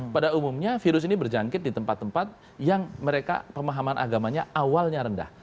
pada umumnya virus ini berjangkit di tempat tempat yang mereka pemahaman agamanya awalnya rendah